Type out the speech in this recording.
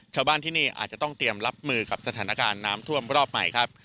ชาวบ้านที่นี่อาจจะต้องเตรียมรับมือกับสถานการณ์น้ำท่วมรอบใหม่ครับ